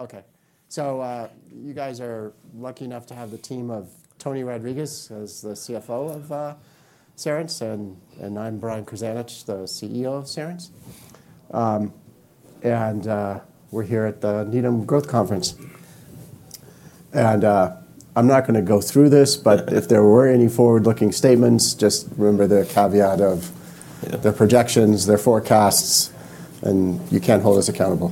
Okay. So, you guys are lucky enough to have the team of Tony Rodriquez as the CFO of Cerence, and I'm Brian Krzanich, the CEO of Cerence. We're here at the Needham Growth Conference. I'm not gonna go through this, but if there were any forward-looking statements, just remember the caveat of their projections, their forecasts, and you can't hold us accountable.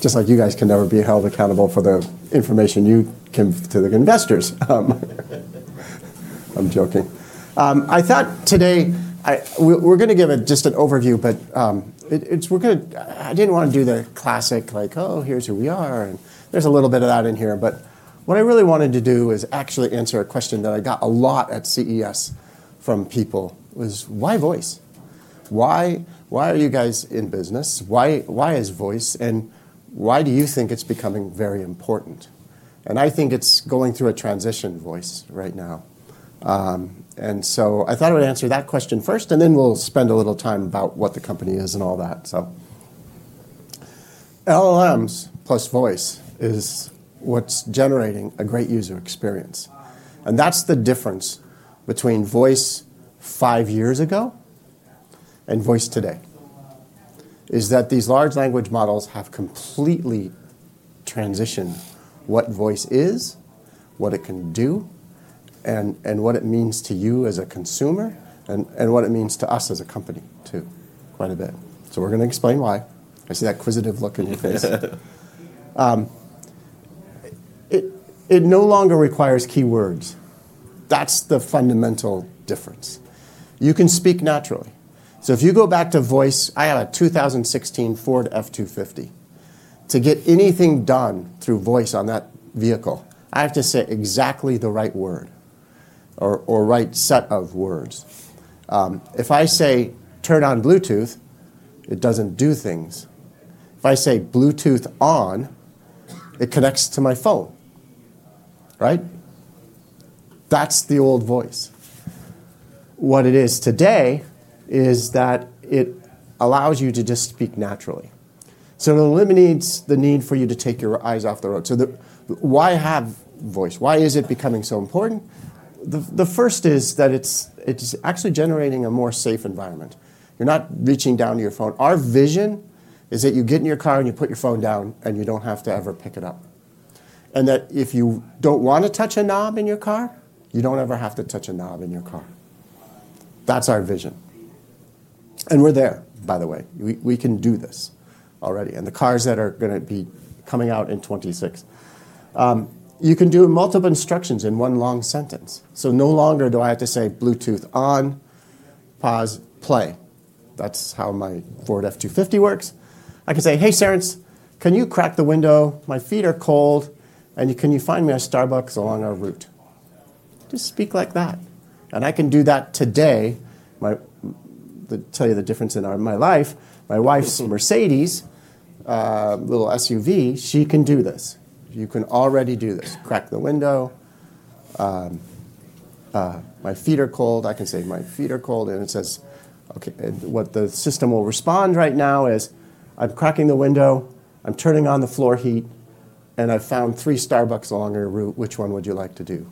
Just like you guys can never be held accountable for the information you give to the investors. I'm joking. I thought today we're gonna give just an overview, but we're gonna. I didn't wanna do the classic, like, "Oh, here's who we are," and there's a little bit of that in here, but what I really wanted to do is actually answer a question that I got a lot at CES from people. It was, "Why Voice? Why, why are you guys in business? “Why, why is Voice? And why do you think it's becoming very important?” And I think it's going through a transition voice right now, and so I thought I would answer that question first, and then we'll spend a little time about what the company is and all that, so. LLMs plus Voice is what's generating a great user experience. And that's the difference between Voice five years ago and Voice today. Is that these large language models have completely transitioned what Voice is, what it can do, and what it means to you as a consumer, and what it means to us as a company too, quite a bit. So we're gonna explain why. I see that inquisitive look in your face. It no longer requires keywords. That's the fundamental difference. You can speak naturally. So if you go back to voice, I have a 2016 Ford F-250. To get anything done through voice on that vehicle, I have to say exactly the right word or, or right set of words. If I say, "Turn on Bluetooth," it doesn't do things. If I say, "Bluetooth on," it connects to my phone, right? That's the old voice. What it is today is that it allows you to just speak naturally. So it eliminates the need for you to take your eyes off the road. So, why have voice? Why is it becoming so important? The, the first is that it's, it's actually generating a more safe environment. You're not reaching down to your phone. Our vision is that you get in your car and you put your phone down, and you don't have to ever pick it up. That if you don't wanna touch a knob in your car, you don't ever have to touch a knob in your car. That's our vision. And we're there, by the way. We, we can do this already. And the cars that are gonna be coming out in 2026, you can do multiple instructions in one long sentence. So no longer do I have to say, "Bluetooth on, pause, play." That's how my Ford F-250 works. I can say, "Hey, Cerence, can you crack the window? My feet are cold, and can you find me a Starbucks along our route?" Just speak like that. And I can do that today. Let me tell you the difference in our—my life. My wife's Mercedes, little SUV, she can do this. You can already do this. Crack the window. My feet are cold. I can say, "My feet are cold," and it says, "Okay," and what the system will respond right now is, "I'm cracking the window. I'm turning on the floor heat, and I found three Starbucks along your route. Which one would you like to do?"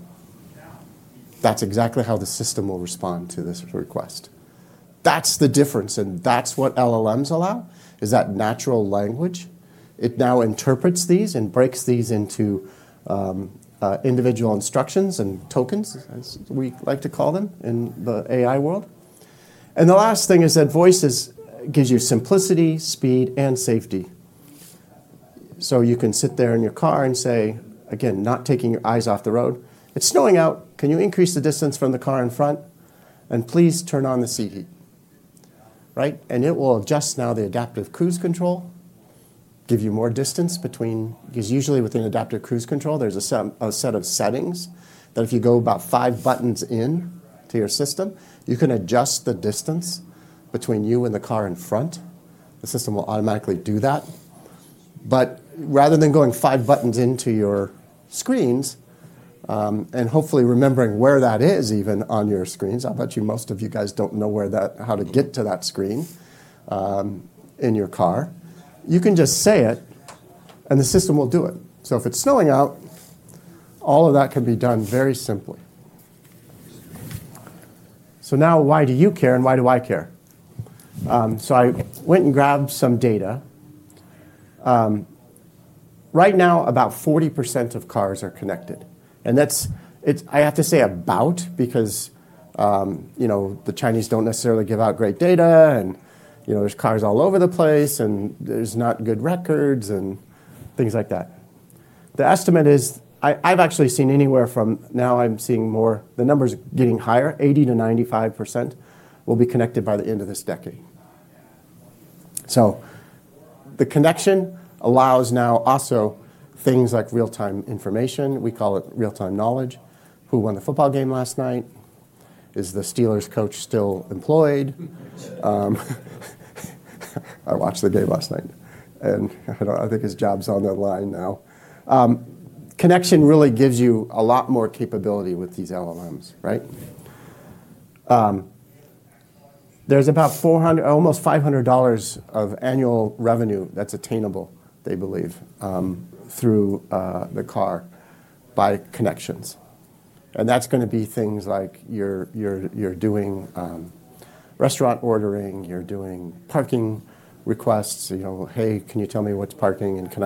That's exactly how the system will respond to this request. That's the difference, and that's what LLMs allow, is that natural language. It now interprets these and breaks these into individual instructions and tokens, as we like to call them in the AI world, and the last thing is that Voice gives you simplicity, speed, and safety, so you can sit there in your car and say, again, not taking your eyes off the road, "It's snowing out. Can you increase the distance from the car in front? And please turn on the seat heat," right? It will adjust now the Adaptive Cruise Control, give you more distance between, because usually within Adaptive Cruise Control, there's a set of settings that if you go about five buttons into your system, you can adjust the distance between you and the car in front. The system will automatically do that. But rather than going five buttons into your screens, and hopefully remembering where that is even on your screens, I bet you most of you guys don't know where that, how to get to that screen, in your car, you can just say it, and the system will do it. If it's snowing out, all of that can be done very simply. Now, why do you care and why do I care? So I went and grabbed some data. Right now, about 40% of cars are connected. it. I have to say about because, you know, the Chinese don't necessarily give out great data, and, you know, there's cars all over the place, and there's not good records and things like that. The estimate is. I've actually seen anywhere from. Now I'm seeing more. The number's getting higher. 80%-95% will be connected by the end of this decade. So the connection allows now also things like real-time information. We call it real-time knowledge. Who won the football game last night? Is the Steelers coach still employed? I watched the game last night, and I don't. I think his job's on the line now. Connection really gives you a lot more capability with these LLMs, right? There's about $400-almost $500 of annual revenue that's attainable, they believe, through the car by connections. That's gonna be things like you're doing restaurant ordering, you're doing parking requests, you know, "Hey, can you tell me what's parking? And can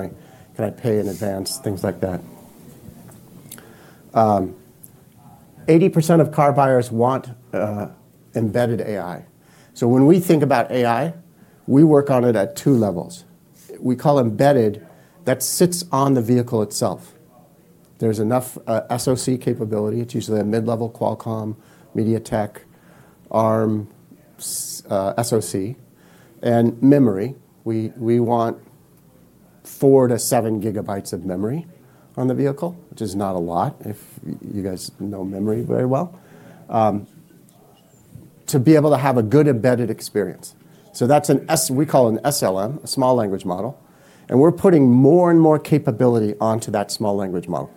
I pay in advance?" Things like that. 80% of car buyers want embedded AI. So when we think about AI, we work on it at two levels. We call embedded that sits on the vehicle itself. There's enough SoC capability. It's usually a mid-level Qualcomm MediaTek ARM SoC and memory. We want four to seven gigabytes of memory on the vehicle, which is not a lot if you guys know memory very well, to be able to have a good embedded experience. So that's an S—we call it an SLM, a small language model. And we're putting more and more capability onto that small language model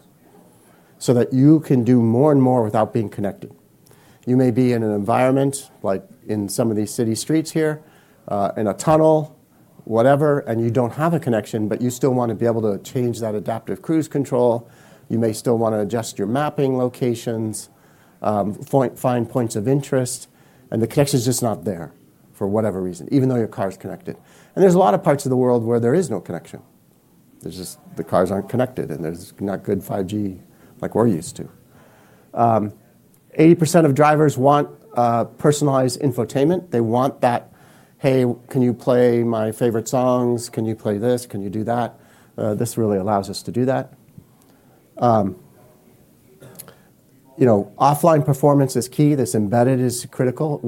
so that you can do more and more without being connected. You may be in an environment like in some of these city streets here, in a tunnel, whatever, and you don't have a connection, but you still wanna be able to change that adaptive cruise control. You may still wanna adjust your mapping locations, find points of interest, and the connection's just not there for whatever reason, even though your car's connected. There's a lot of parts of the world where there is no connection. There's just the cars aren't connected, and there's not good 5G like we're used to. 80% of drivers want personalized infotainment. They want that, "Hey, can you play my favorite songs? Can you play this? Can you do that?" This really allows us to do that. You know, offline performance is key. This embedded is critical.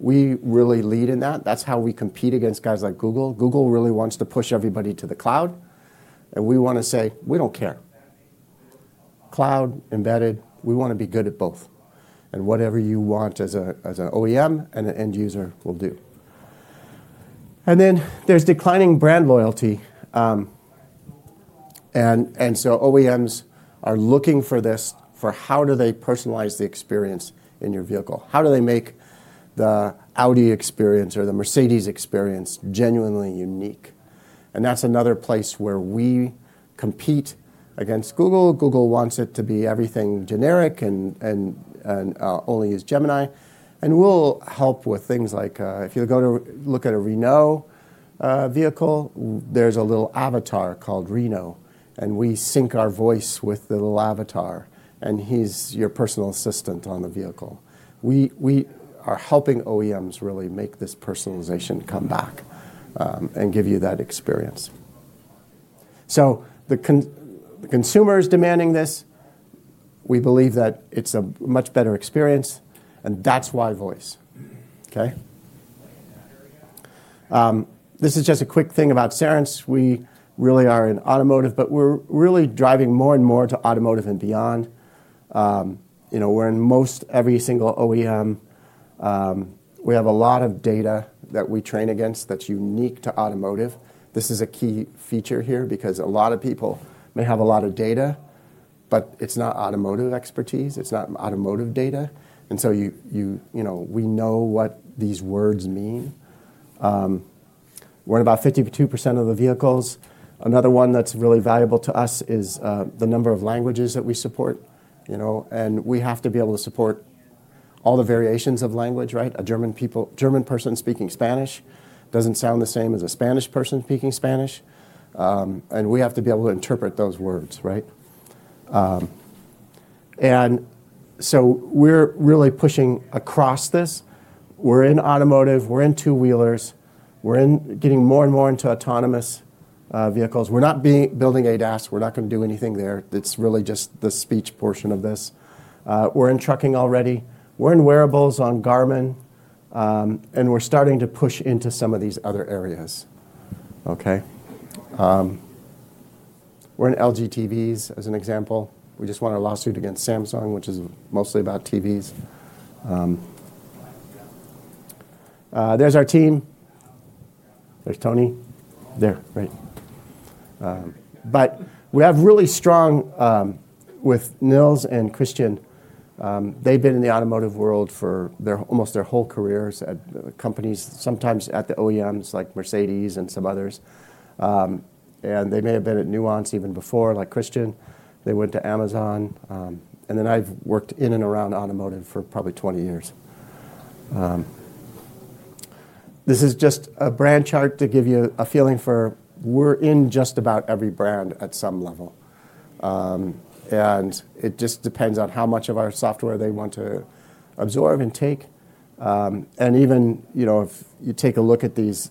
We really lead in that. That's how we compete against guys like Google. Google really wants to push everybody to the cloud, and we wanna say, "We don't care. Cloud, embedded, we wanna be good at both." Whatever you want as an OEM and an end user will do. Then there's declining brand loyalty, and so OEMs are looking for this for how do they personalize the experience in your vehicle. How do they make the Audi experience or the Mercedes experience genuinely unique? That's another place where we compete against Google. Google wants it to be everything generic and only use Gemini. We'll help with things like, if you go to look at a Renault vehicle, there's a little avatar called Renault, and we sync our voice with the little avatar, and he's your personal assistant on the vehicle. We are helping OEMs really make this personalization come back, and give you that experience. So the consumer's demanding this. We believe that it's a much better experience, and that's why Voice, okay? This is just a quick thing about Cerence. We really are in automotive, but we're really driving more and more to automotive and beyond. You know, we're in most every single OEM. We have a lot of data that we train against that's unique to automotive. This is a key feature here because a lot of people may have a lot of data, but it's not automotive expertise. It's not automotive data. And so you know, we know what these words mean. We're in about 52% of the vehicles. Another one that's really valuable to us is the number of languages that we support, you know, and we have to be able to support all the variations of language, right? A German person speaking Spanish doesn't sound the same as a Spanish person speaking Spanish, and we have to be able to interpret those words, right, and so we're really pushing across this. We're in automotive. We're in two-wheelers. We're getting more and more into autonomous vehicles. We're not building ADAS. We're not gonna do anything there. It's really just the speech portion of this. We're in trucking already. We're in wearables on Garmin, and we're starting to push into some of these other areas, okay? We're in LG TVs as an example. We just won a lawsuit against Samsung, which is mostly about TVs. There's our team. There's Tony. There, right? But we have really strong, with Nils and Christian. They've been in the automotive world for almost their whole careers at companies, sometimes at the OEMs like Mercedes and some others. And they may have been at Nuance even before, like Christian. They went to Amazon. And then I've worked in and around automotive for probably 20 years. This is just a brand chart to give you a feeling for we're in just about every brand at some level. And it just depends on how much of our software they want to absorb and take. And even, you know, if you take a look at these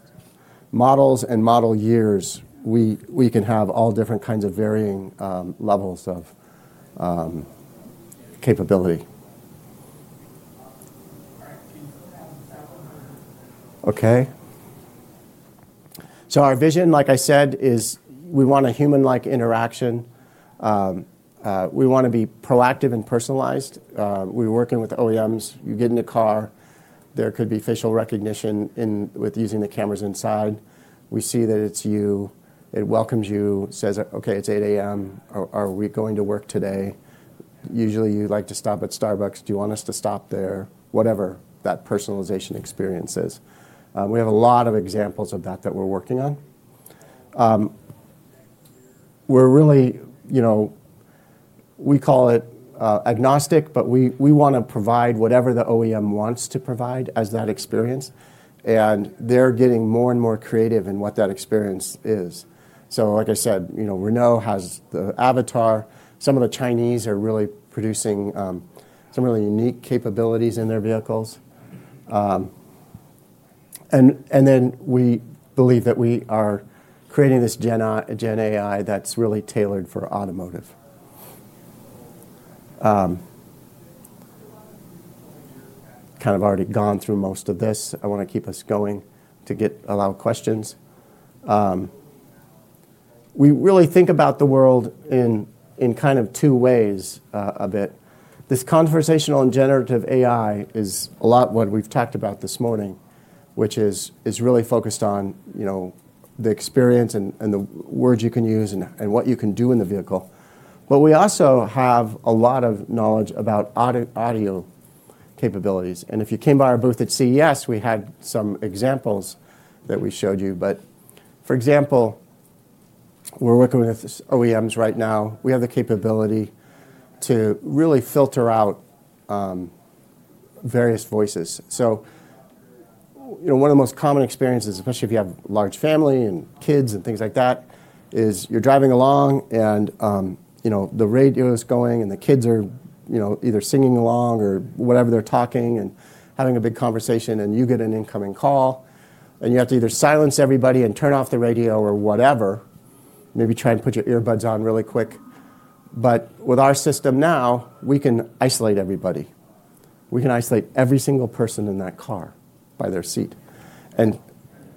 models and model years, we can have all different kinds of varying levels of capability. Okay. So our vision, like I said, is we want a human-like interaction. We wanna be proactive and personalized. We're working with OEMs. You get in the car, there could be facial recognition in with using the cameras inside. We see that it's you. It welcomes you, says, "Okay, it's 8:00 A.M. Are we going to work today?" Usually, you like to stop at Starbucks. Do you want us to stop there? Whatever that personalization experience is. We have a lot of examples of that that we're working on. We're really, you know, we call it, agnostic, but we, we wanna provide whatever the OEM wants to provide as that experience. And they're getting more and more creative in what that experience is. So, like I said, you know, Renault has the avatar. Some of the Chinese are really producing, some really unique capabilities in their vehicles. And, and then we believe that we are creating this Gen AI that's really tailored for automotive. Kind of already gone through most of this. I wanna keep us going to get a lot of questions. We really think about the world in kind of two ways a bit. This conversational and generative AI is a lot of what we've talked about this morning, which is really focused on, you know, the experience and the words you can use and what you can do in the vehicle. But we also have a lot of knowledge about audio capabilities. And if you came by our booth at CES, we had some examples that we showed you. But for example, we're working with OEMs right now. We have the capability to really filter out various voices. So, you know, one of the most common experiences, especially if you have a large family and kids and things like that, is you're driving along and, you know, the radio's going and the kids are, you know, either singing along or whatever they're talking and having a big conversation, and you get an incoming call, and you have to either silence everybody and turn off the radio or whatever, maybe try and put your earbuds on really quick. But with our system now, we can isolate everybody. We can isolate every single person in that car by their seat and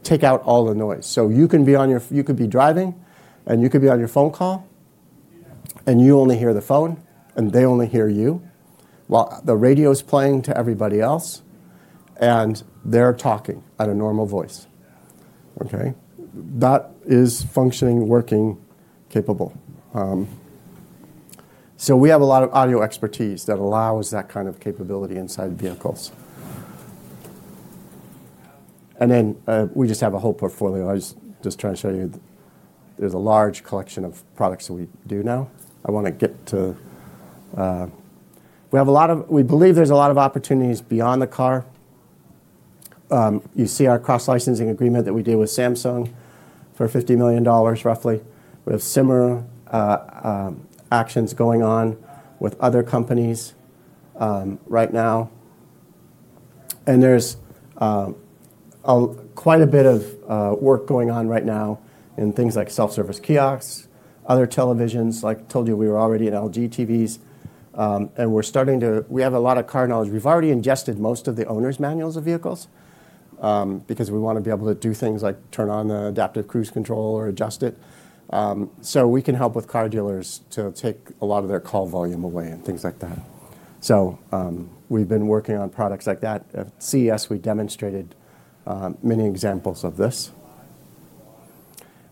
take out all the noise. So you can be on your, you could be driving and you could be on your phone call, and you only hear the phone and they only hear you while the radio's playing to everybody else and they're talking at a normal voice, okay? That is functioning, working, capable. So we have a lot of audio expertise that allows that kind of capability inside vehicles. And then, we just have a whole portfolio. I was just trying to show you there's a large collection of products that we do now. I wanna get to, we have a lot of, we believe there's a lot of opportunities beyond the car. You see our cross-licensing agreement that we did with Samsung for $50 million roughly. We have similar actions going on with other companies, right now. And there's quite a bit of work going on right now in things like self-service kiosks, other televisions. Like I told you, we were already at LG TVs, and we're starting to, we have a lot of car knowledge. We've already ingested most of the owner's manuals of vehicles, because we wanna be able to do things like turn on the Adaptive Cruise Control or adjust it. So we can help with car dealers to take a lot of their call volume away and things like that. So, we've been working on products like that. At CES, we demonstrated many examples of this.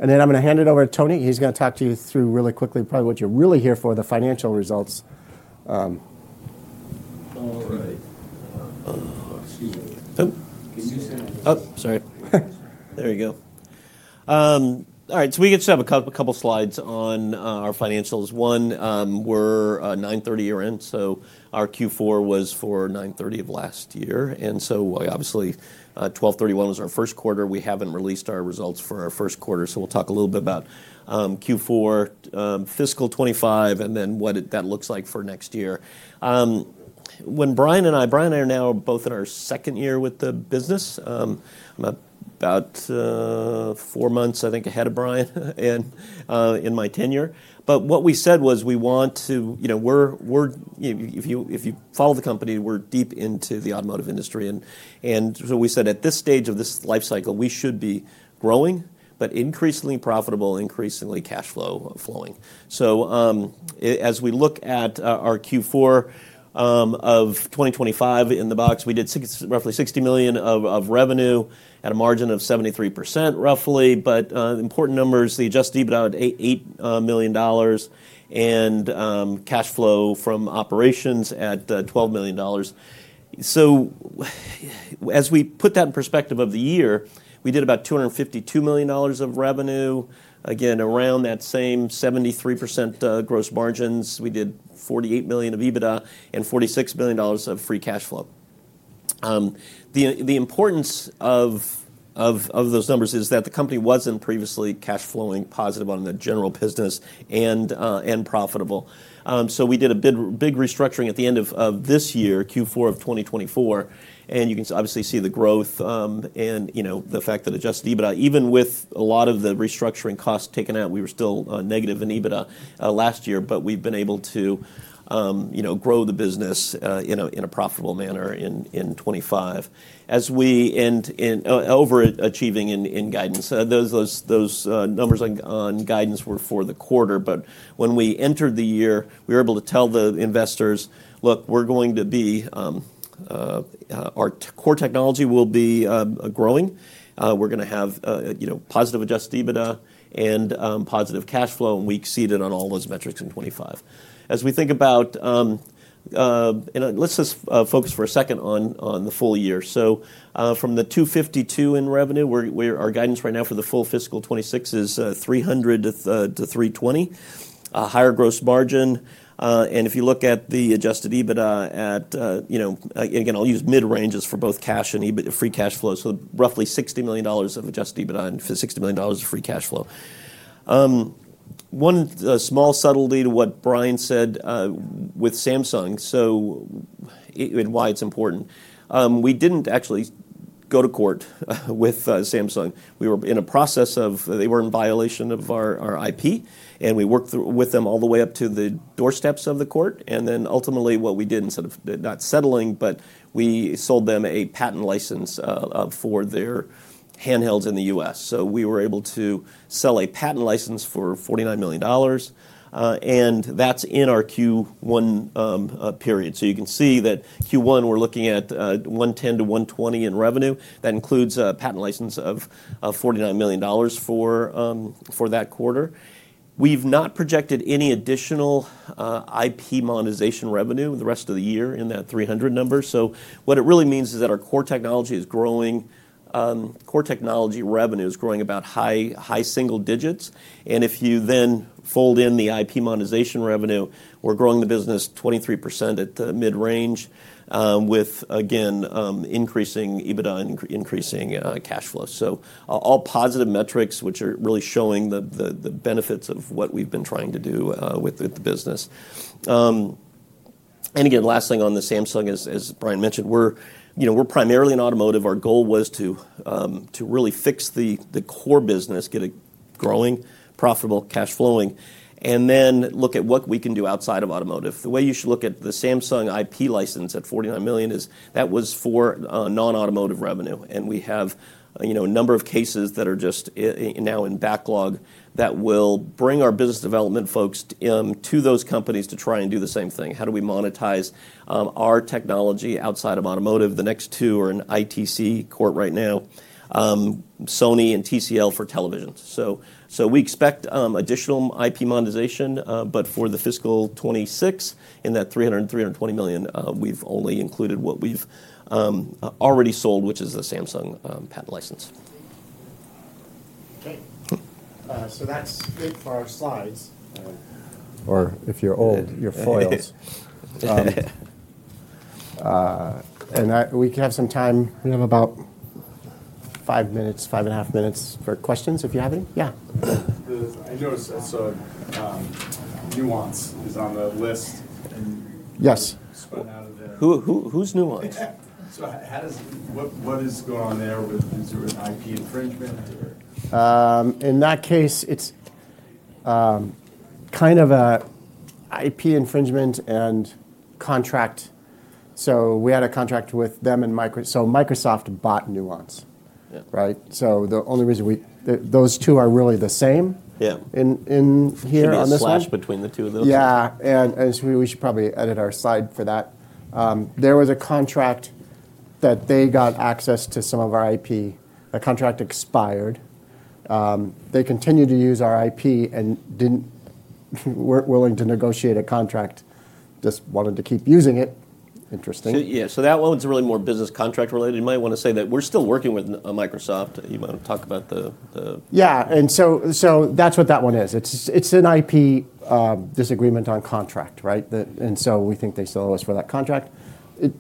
And then I'm gonna hand it over to Tony. He's gonna talk to you through really quickly probably what you're really here for, the financial results. All right. Excuse me. Oh, sorry. There you go. All right. So we just have a couple slides on our financials. One, we're September 30 year-end, so our Q4 was for September 30 of last year. And so obviously, December 31 was our first quarter. We haven't released our results for our first quarter. So we'll talk a little bit about Q4 fiscal 2025 and then what that looks like for next year. When Brian and I, Brian and I are now both in our second year with the business. I'm about four months, I think, ahead of Brian and in my tenure. But what we said was we want to, you know, we're, you know, if you follow the company, we're deep into the automotive industry. And so we said at this stage of this life cycle, we should be growing, but increasingly profitable, increasingly cash flow flowing. So, as we look at our Q4 of 2025 in the box, we did roughly $60 million of revenue at a margin of 73% roughly. But important numbers, the Adjusted EBITDA at $8 million and cash flow from operations at $12 million. So as we put that in perspective of the year, we did about $252 million of revenue. Again, around that same 73% gross margins, we did $48 million of EBITDA and $46 million of free cash flow. The importance of those numbers is that the company wasn't previously cash flowing positive on the general business and profitable. So we did a big restructuring at the end of this year, Q4 of 2024. And you can obviously see the growth, and you know, the fact that adjusted EBITDA, even with a lot of the restructuring costs taken out, we were still negative in EBITDA last year, but we've been able to you know grow the business in a profitable manner in 2025. As we end in over achieving in guidance. Those numbers on guidance were for the quarter, but when we entered the year, we were able to tell the investors, "Look, we're going to be. Our core technology will be growing. We're gonna have, you know, positive Adjusted EBITDA and positive cash flow," and we exceeded on all those metrics in 2025. As we think about, and let's just focus for a second on the full year. From the $252 million in revenue, our guidance right now for the full fiscal 2026 is $300 million to $320 million, higher gross margin. And if you look at the Adjusted EBITDA, you know, again, I'll use mid-ranges for both cash and EBITDA, Free Cash Flow. Roughly $60 million of Adjusted EBITDA and $60 million of Free Cash Flow. One small subtlety to what Brian said with Samsung, so it and why it's important. We didn't actually go to court with Samsung. We were in a process of. They were in violation of our IP, and we worked with them all the way up to the doorsteps of the court. Then ultimately what we did, instead of not settling, but we sold them a patent license for their handhelds in the US. So we were able to sell a patent license for $49 million. That's in our Q1 period. You can see that Q1 we're looking at 110-120 in revenue. That includes a patent license of $49 million for that quarter. We've not projected any additional IP monetization revenue the rest of the year in that 300 number. What it really means is that our core technology is growing. Core technology revenue is growing about high single digits%. And if you then fold in the IP monetization revenue, we're growing the business 23% at the mid-range, with, again, increasing EBITDA and increasing cash flow. So all positive metrics, which are really showing the benefits of what we've been trying to do, with the business. And again, last thing on the Samsung is, as Brian mentioned, we're, you know, we're primarily in automotive. Our goal was to really fix the core business, get it growing, profitable, cash flowing, and then look at what we can do outside of automotive. The way you should look at the Samsung IP license at $49 million is that was for non-automotive revenue. And we have, you know, a number of cases that are just now in backlog that will bring our business development folks to those companies to try and do the same thing. How do we monetize our technology outside of automotive? The next two are in ITC court right now, Sony and TCL for televisions. So we expect additional IP monetization, but for the fiscal 2026 in that $300-$320 million, we've only included what we've already sold, which is the Samsung patent license. Okay. So that's it for our slides. Or if you're old, you're foiled. And we can have some time. We have about five minutes, five and a half minutes for questions if you have any. Yeah. I noticed I saw Nuance is on the list and. Yes. Spun out of the. Who's Nuance? So how does what is going on there with, is there an IP infringement or? In that case, it's kind of an IP infringement and contract. We had a contract with them and Microsoft, so Microsoft bought Nuance. Yeah. Right? The only reason we, those two are really the same. Yeah. In here on this one. Should we swap between the two of those? Yeah. And we should probably edit our slide for that. There was a contract that they got access to some of our IP. The contract expired. They continued to use our IP and weren't willing to negotiate a contract, just wanted to keep using it. Interesting. Yeah, so that one's really more business contract related. You might wanna say that we're still working with Microsoft. You wanna talk about the, the. Yeah. And so that's what that one is. It's an IP disagreement on contract, right? And so we think they still owe us for that contract. It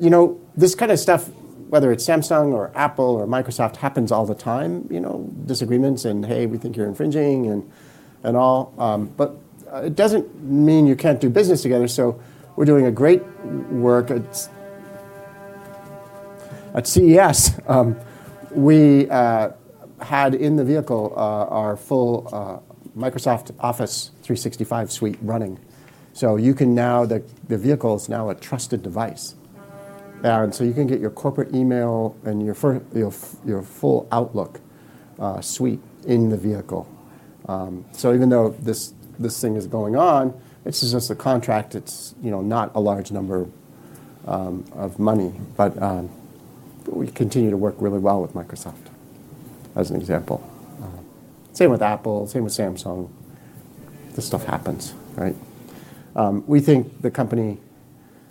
you know, this kind of stuff, whether it's Samsung or Apple or Microsoft, happens all the time, you know, disagreements and, "Hey, we think you're infringing and, and all." But it doesn't mean you can't do business together. So we're doing a great work at CES. We had in the vehicle our full Microsoft Office 365 suite running. So you can now, the vehicle's now a trusted device. Yeah. And so you can get your corporate email and your full Outlook suite in the vehicle. So even though this thing is going on, it's just a contract. It's you know, not a large number of money, but we continue to work really well with Microsoft as an example. Same with Apple, same with Samsung. This stuff happens, right? We think the company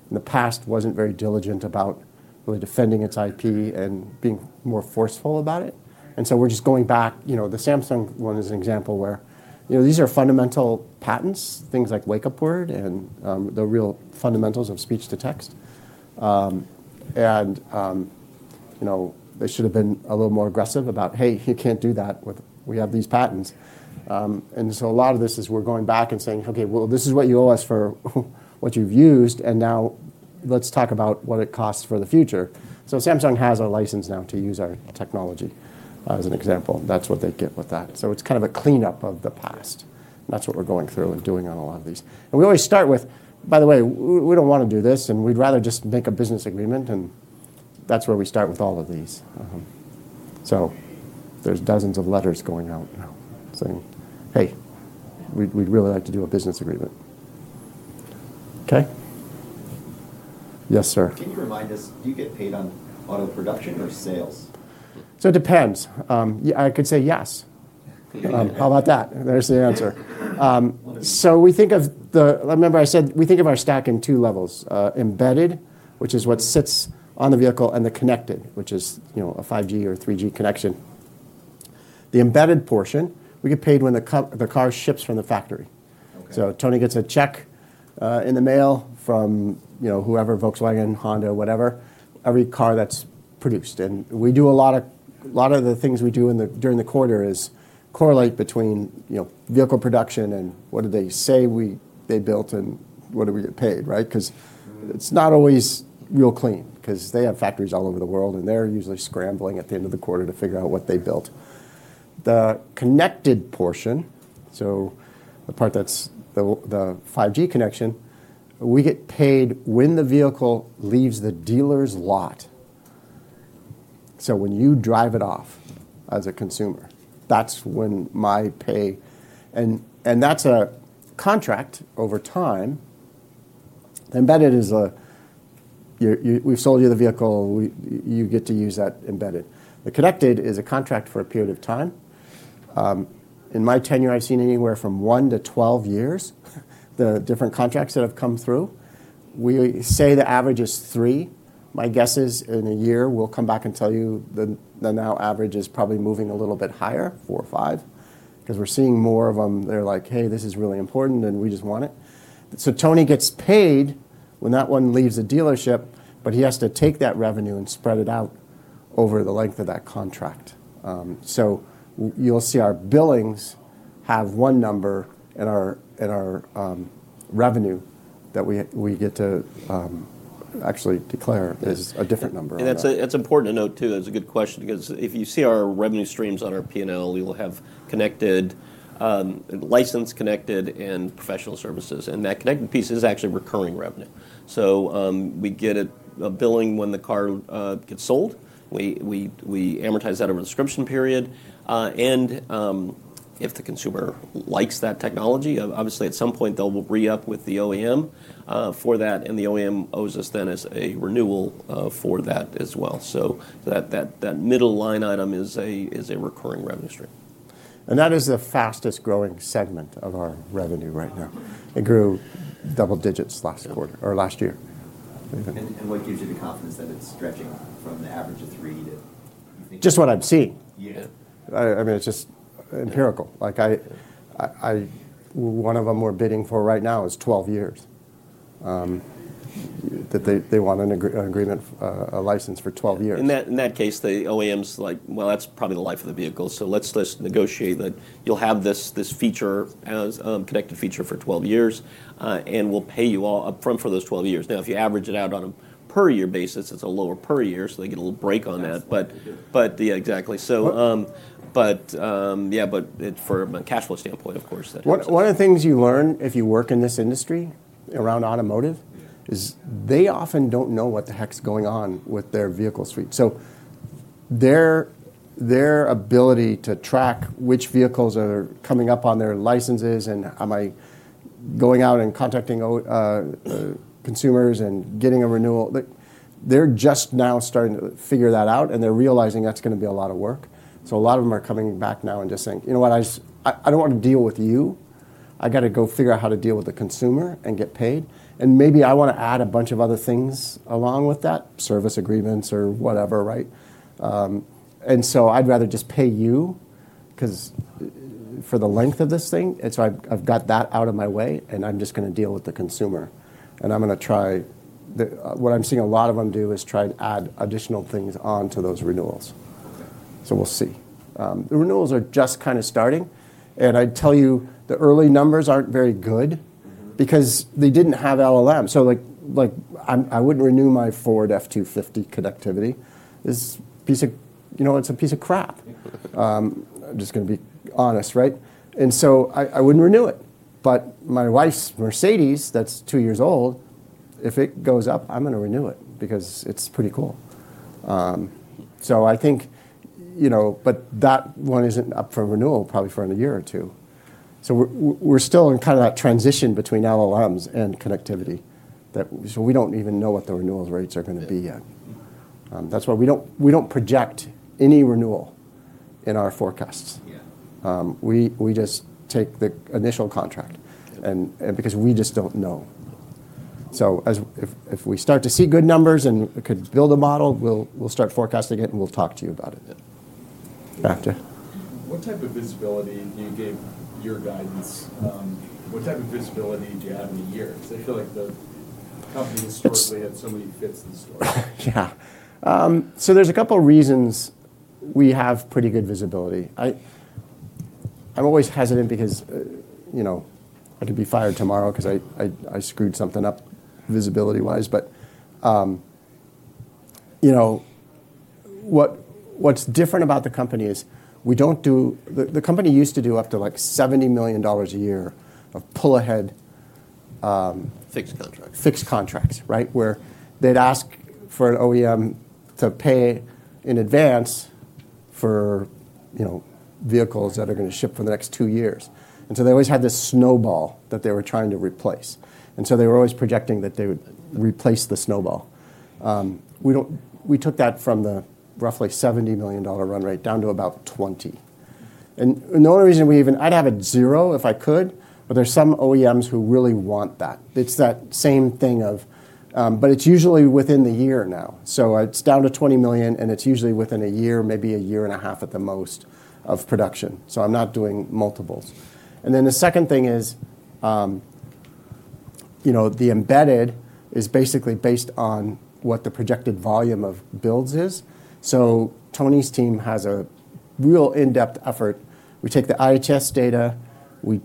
in the past wasn't very diligent about really defending its IP and being more forceful about it. And so we're just going back, you know, the Samsung one is an example where, you know, these are fundamental patents, things like wake-up word and the real fundamentals of speech to text. And you know, they should have been a little more aggressive about, "Hey, you can't do that with, we have these patents." And so a lot of this is we're going back and saying, "Okay, well, this is what you owe us for what you've used, and now let's talk about what it costs for the future." So Samsung has a license now to use our technology, as an example. That's what they get with that. So it's kind of a cleanup of the past. That's what we're going through and doing on a lot of these. We always start with, "By the way, we, we don't wanna do this, and we'd rather just make a business agreement." That's where we start with all of these. There's dozens of letters going out now saying, "Hey, we, we'd really like to do a business agreement." Okay. Yes, sir. Can you remind us, do you get paid on auto production or sales? So it depends. Yeah, I could say yes. How about that? There's the answer. We think of the, remember I said we think of our stack in two levels, embedded, which is what sits on the vehicle, and the connected, which is, you know, a 5G or 3G connection. The embedded portion, we get paid when the car ships from the factory. Okay. Tony gets a check in the mail from, you know, whoever, Volkswagen, Honda, whatever, every car that's produced. We do a lot of, a lot of the things we do in the during the quarter is correlate between, you know, vehicle production and what did they say we they built and what do we get paid, right? 'Cause it's not always real clean 'cause they have factories all over the world, and they're usually scrambling at the end of the quarter to figure out what they built. The connected portion, so the part that's the the 5G connection, we get paid when the vehicle leaves the dealer's lot. So when you drive it off as a consumer, that's when my pay, and that's a contract over time. The embedded is a you're, we've sold you the vehicle, you get to use that embedded. The connected is a contract for a period of time. In my tenure, I've seen anywhere from one to 12 years, the different contracts that have come through. We say the average is three. My guess is in a year, we'll come back and tell you the now average is probably moving a little bit higher, four or five, 'cause we're seeing more of 'em. They're like, "Hey, this is really important, and we just want it," so Tony gets paid when that one leaves the dealership, but he has to take that revenue and spread it out over the length of that contract, so you'll see our billings have one number in our revenue that we get to actually declare is a different number, and that's important to note too. That's a good question because if you see our revenue streams on our P&L, we will have connected, licensing, connected, and professional services. And that connected piece is actually recurring revenue. So, we get a billing when the car gets sold. We amortize that over a subscription period. And if the consumer likes that technology, obviously at some point they'll re-up with the OEM for that, and the OEM owes us then as a renewal for that as well. So that middle line item is a recurring revenue stream. And that is the fastest growing segment of our revenue right now. It grew double digits last quarter or last year. And what gives you the confidence that it's stretching from the average of three to? Just what I'm seeing. Yeah. I mean, it's just empirical. Like, one of 'em we're bidding for right now is 12 years. That they want an agreement, a license for 12 years. In that case, the OEMs like, "Well, that's probably the life of the vehicle. So let's negotiate that you'll have this feature as connected feature for 12 years, and we'll pay you all upfront for those 12 years." Now, if you average it out on a per year basis, it's a lower per year, so they get a little break on that. But yeah, exactly. So but yeah, but it's for a cash flow standpoint, of course. One of the things you learn if you work in this industry around automotive is they often don't know what the heck's going on with their vehicle suite. So their ability to track which vehicles are coming up on their licenses and, "Am I going out and contacting consumers and getting a renewal?" They're just now starting to figure that out, and they're realizing that's gonna be a lot of work. So a lot of 'em are coming back now and just saying, "You know what? I don't wanna deal with you. I gotta go figure out how to deal with the consumer and get paid. And maybe I wanna add a bunch of other things along with that, service agreements or whatever, right?" and so I'd rather just pay you 'cause for the length of this thing, and so I've got that out of my way, and I'm just gonna deal with the consumer. And I'm gonna try the, what I'm seeing a lot of 'em do is try and add additional things onto those renewals. So we'll see. The renewals are just kind of starting, and I'd tell you the early numbers aren't very good because they didn't have LLM, so like, like I'm, I wouldn't renew my Ford F-250 connectivity. This piece of, you know, it's a piece of crap. I'm just gonna be honest, right, and so I, I wouldn't renew it, but my wife's Mercedes, that's two years old, if it goes up, I'm gonna renew it because it's pretty cool, so I think, you know, but that one isn't up for renewal probably for a year or two, so we're, we're still in kind of that transition between LLMs and connectivity that, so we don't even know what the renewal rates are gonna be yet. That's why we don't project any renewal in our forecasts. Yeah. We just take the initial contract and because we just don't know. So as if we start to see good numbers and we could build a model, we'll start forecasting it and we'll talk to you about it. Yeah. What type of visibility do you give your guidance? What type of visibility do you have in a year? 'Cause I feel like the company historically had so many fits and starts. Yeah. So there's a couple reasons we have pretty good visibility. I'm always hesitant because, you know, I could be fired tomorrow 'cause I screwed something up visibility-wise. But you know, what's different about the company is we don't do. The company used to do up to like $70 million a year of Pull Ahead fixed contracts, fixed contracts, right? Where they'd ask for an OEM to pay in advance for, you know, vehicles that are gonna ship for the next two years. And so they always had this snowball that they were trying to replace. And so they were always projecting that they would replace the snowball. We don't. We took that from the roughly $70 million run rate down to about $20 million. And the only reason we even, I'd have it zero if I could, but there's some OEMs who really want that. It's that same thing of, but it's usually within the year now. It's down to 20 million, and it's usually within a year, maybe a year and a half at the most of production. I'm not doing multiples. The second thing is, you know, the embedded is basically based on what the projected volume of builds is. Tony's team has a real in-depth effort. We take the IHS data. We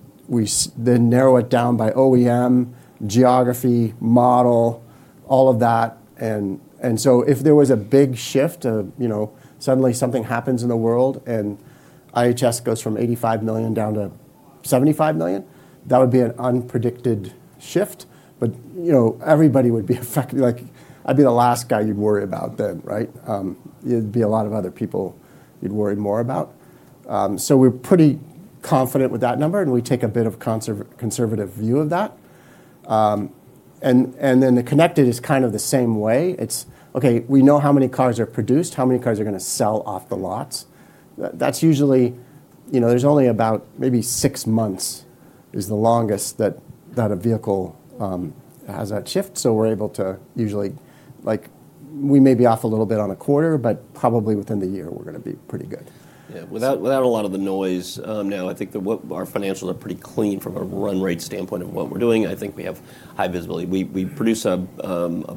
then narrow it down by OEM, geography, model, all of that. If there was a big shift of, you know, suddenly something happens in the world and IHS goes from 85 million down to 75 million, that would be an unpredicted shift. Everybody would be affected, like I'd be the last guy you'd worry about then, right? It'd be a lot of other people you'd worry more about then, right? So we're pretty confident with that number, and we take a bit of conservative view of that. And then the connected is kind of the same way. It's okay, we know how many cars are produced, how many cars are gonna sell off the lots. That's usually, you know, there's only about maybe six months is the longest that a vehicle has that shift. So we're able to usually, like we may be off a little bit on a quarter, but probably within the year we're gonna be pretty good. Yeah. Without a lot of the noise, now I think that what our financials are pretty clean from a run rate standpoint of what we're doing. I think we have high visibility. We produce a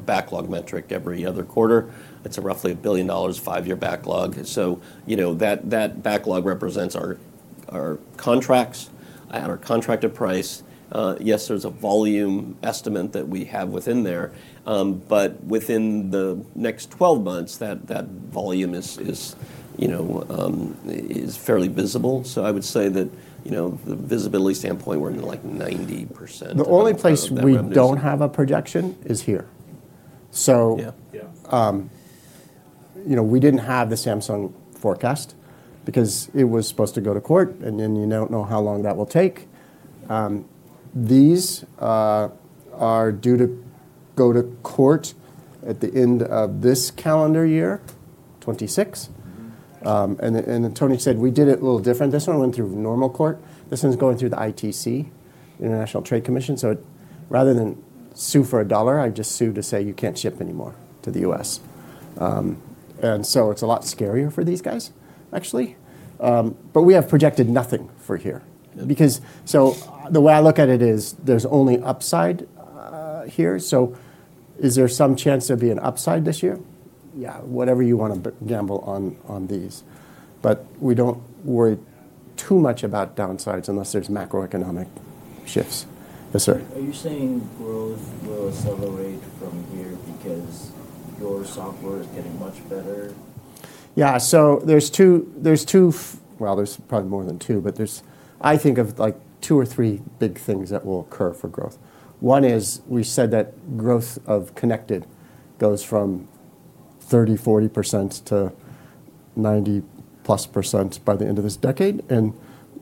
backlog metric every other quarter. It's a roughly $1 billion five-year backlog. So, you know, that backlog represents our contracts at our contracted price. Yes, there's a volume estimate that we have within there. But within the next 12 months, that volume is, you know, fairly visible. So I would say that, you know, the visibility standpoint, we're in like 90%. The only place we don't have a projection is here. So. Yeah. You know, we didn't have the Samsung forecast because it was supposed to go to court, and then you don't know how long that will take. These are due to go to court at the end of this calendar year, 2026. And Tony said we did it a little different. This one went through normal court. This one's going through the ITC, International Trade Commission. So rather than sue for a dollar, I just sue to say you can't ship anymore to the U.S. And so it's a lot scarier for these guys, actually. But we have projected nothing for here because, so the way I look at it is there's only upside, here. So is there some chance there'll be an upside this year? Yeah, whatever you wanna gamble on, on these. But we don't worry too much about downsides unless there's macroeconomic shifts. Yes, sir. Are you saying growth will accelerate from here because your software is getting much better? Yeah. So there's two, well, there's probably more than two, but there's, I think of like two or three big things that will occur for growth. One is we said that growth of connected goes from 30%-40% to 90%+ by the end of this decade.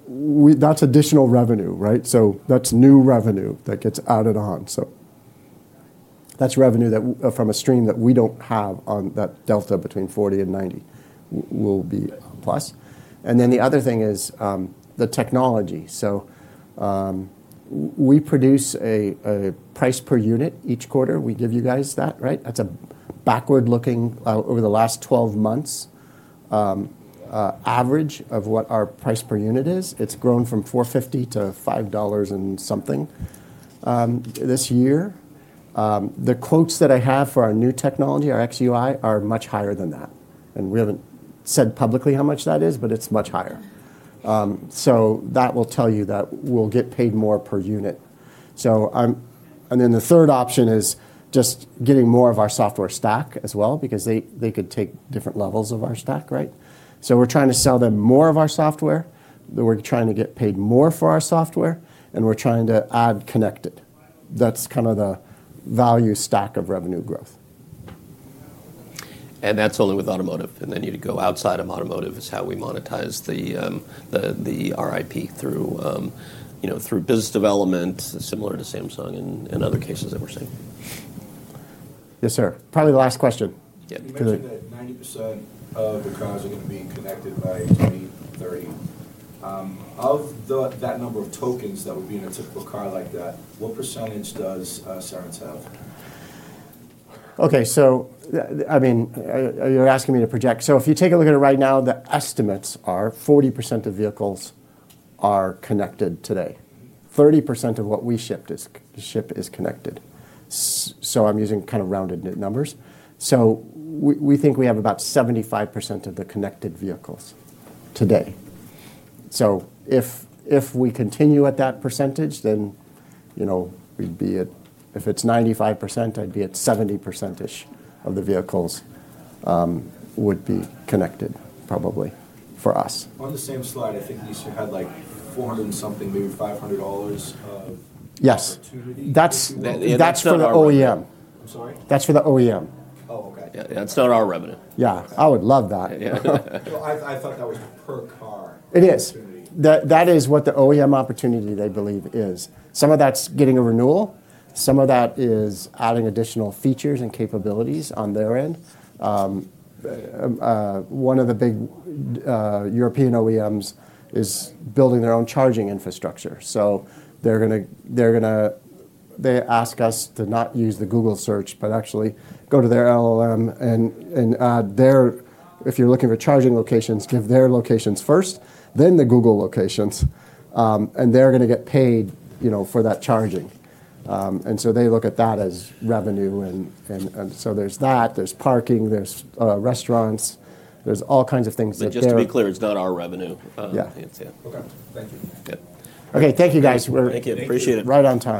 We, that's additional revenue, right? That's new revenue that gets added on. That's revenue that from a stream that we don't have on that delta between 40 and 90 will be plus. The other thing is the technology. We produce a price per unit each quarter. We give you guys that, right? That's a backward-looking, over the last 12 months, average of what our price per unit is. It's grown from $45 to $50-something this year. The quotes that I have for our new technology, our PUI, are much higher than that. We haven't said publicly how much that is, but it's much higher. That will tell you that we'll get paid more per unit. So, and then the third option is just getting more of our software stack as well because they, they could take different levels of our stack, right? So we're trying to sell them more of our software. We're trying to get paid more for our software, and we're trying to add connected. That's kind of the value stack of revenue growth. And that's only with automotive. And then you'd go outside of automotive is how we monetize the, the IP through, you know, through business development, similar to Samsung and other cases that we're seeing. Yes, sir. Probably the last question. Yeah. You mentioned that 90% of the cars are gonna be connected by 2030. Of the, that number of tokens that would be in a typical car like that, what percentage does Cerence have? Okay. So, I mean, you're asking me to project. So if you take a look at it right now, the estimates are 40% of vehicles are connected today. 30% of what we shipped is connected. So I'm using kind of rounded numbers. So we think we have about 75% of the connected vehicles today. So if we continue at that percentage, then, you know, we'd be at, if it's 95%, I'd be at 70%-ish of the vehicles, would be connected probably for us. On the same slide, I think IHS had like 400 and something, maybe $500 of opportunity. Yes. That's for the OEM. I'm sorry? That's for the OEM. Oh, okay. Yeah. It's not our revenue. Yeah. I would love that. Yeah. Well, I thought that was per car. It is. Opportunity. That is what the OEM opportunity they believe is. Some of that's getting a renewal. Some of that is adding additional features and capabilities on their end. One of the big, European OEMs is building their own charging infrastructure. So they're gonna, they ask us to not use the Google search, but actually go to their LLM and add their, if you're looking for charging locations, give their locations first, then the Google locations. And they're gonna get paid, you know, for that charging. And so they look at that as revenue. And so there's that, there's parking, restaurants, there's all kinds of things that they. Just to be clear, it's not our revenue. Yeah. Yeah. Okay. Thank you. Yeah. Okay. Thank you, guys. We're. Thank you. Appreciate it. Right on time.